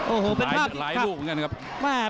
โอ้โหเป็นภาพหลายลูกเหมือนกันครับ